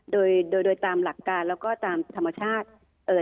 โดยโดยตามหลักการแล้วก็ตามธรรมชาติ